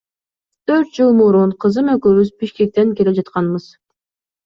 Төрт жыл мурун кызым экөөбүз Бишкектен келе жатканбыз.